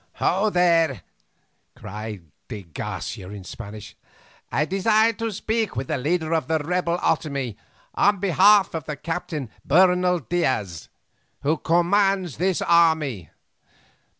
"Ho there!" cried de Garcia in Spanish. "I desire to speak with the leader of the rebel Otomie on behalf of the Captain Bernal Diaz, who commands this army."